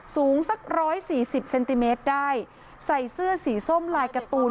สูงสักร้อยสี่สิบเซนติเมตรได้ใส่เสื้อสีส้มลายการ์ตูน